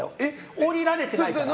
下りられてないから。